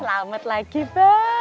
selamat lagi bang